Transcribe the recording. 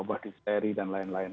dari wabah dipteri dan lain lain